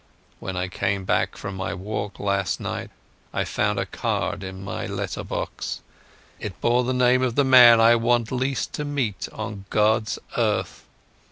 When I came back from my walk last night I found a card in my letter box. It bore the name of the man I want least to meet on God's earth."